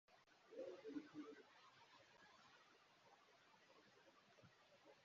aho usanga urubyiruko ari rwo rwagiye ruza ku isonga mu guhanga udushya twahinduye ubuzima bw’abantu benshi